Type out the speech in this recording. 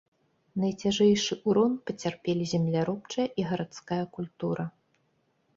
Найцяжэйшы ўрон пацярпелі земляробчая і гарадская культура.